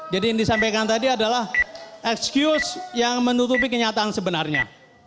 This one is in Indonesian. jadi yang disampaikan tadi adalah excuse yang menutupi kenyataan sebenarnya